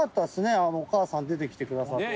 あのお母さん出てきてくださって。